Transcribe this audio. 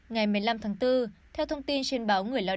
ngày một mươi năm tháng bốn theo thông tin trên báo người lao động